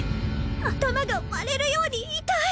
頭が割れるように痛い！